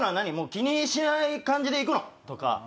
気にしない感じで行くの？」とか。